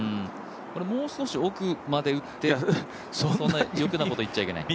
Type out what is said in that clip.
もう少し奥まで打ってそんな余計なこと言っちゃいけない？